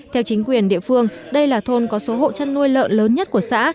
theo chính quyền địa phương đây là thôn có số hộ chăn nuôi lợn lớn nhất của xã